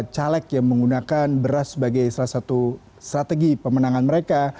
caleg yang menggunakan beras sebagai salah satu strategi pemenangan mereka